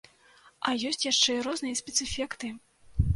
А ёсць яшчэ і розныя спецэфекты!